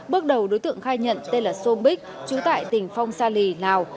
bước đầu đối tượng khai nhận tên là sô bích trú tại tỉnh phong sa lì lào